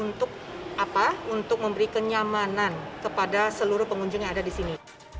untuk memberi kenyamanan kepada seluruh pengunjung yang ada di sini